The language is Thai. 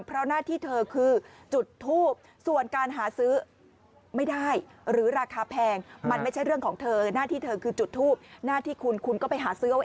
เพราะหน้าที่เธอคือจุดทูปส่วนการหาซื้อไม่ได้